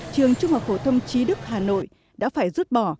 trường trung học phổ thông trí đức hà nội đã phải rút bỏ